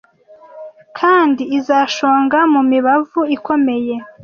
kandi izashonga mumibavu ikomeye